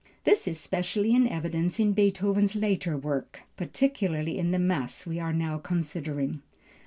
This is specially in evidence in Beethoven's later work, particularly in the mass we are now considering.